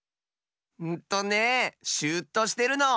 んとねシューッとしてるの！